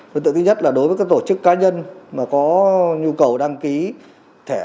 vấn tượng thứ nhất là đối với các tổ chức cá nhân mà có nhu cầu đăng ký thẻ